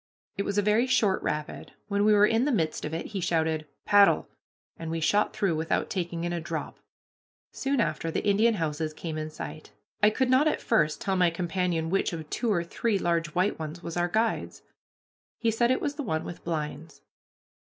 It was a very short rapid. When we were in the midst of it he shouted, "Paddle!" and we shot through without taking in a drop. Soon after the Indian houses came in sight. I could not at first tell my companion which of two or three large white ones was our guide's. He said it was the one with blinds.